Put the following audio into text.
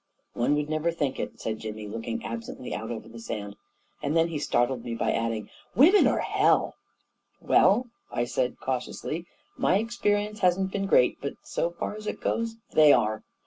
" One would never think it," said Jimmy, look ing absently out over the sand. And then he startled me by adding, " Women are hell I "" Well," I said cautiously, " my experience hasn't been great — but so far as it goes, they are."